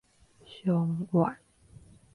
傷晏